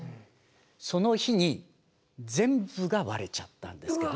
その日に全部が割れちゃったんですけど。